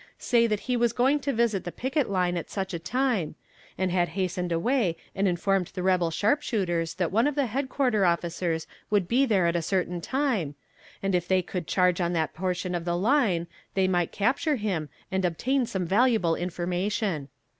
say that he was going to visit the picket line at such a time, and he had hastened away and informed the rebel sharpshooters that one of the headquarter officers would be there at a certain time, and if they would charge on that portion of the line they might capture him and obtain some valuable information.